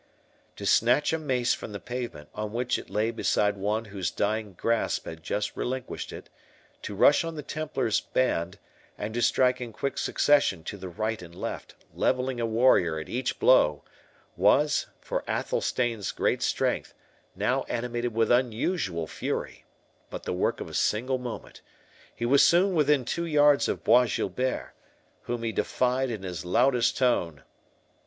To snatch a mace from the pavement, on which it lay beside one whose dying grasp had just relinquished it—to rush on the Templar's band, and to strike in quick succession to the right and left, levelling a warrior at each blow, was, for Athelstane's great strength, now animated with unusual fury, but the work of a single moment; he was soon within two yards of Bois Guilbert, whom he defied in his loudest tone.